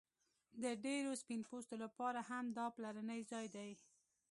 د ډیرو سپین پوستو لپاره هم دا پلرنی ځای دی